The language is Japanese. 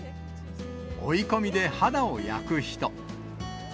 追い込みで肌を焼く人。